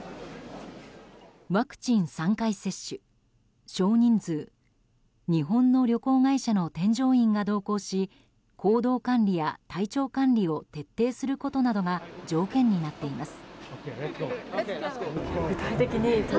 ワクチン３回接種、少人数日本の旅行会社の添乗員が同行し行動管理や体調管理を徹底することなどが条件になっています。